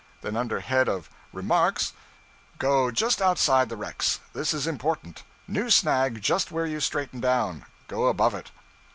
Then under head of Remarks: 'Go just outside the wrecks; this is important. New snag just where you straighten down; go above it.'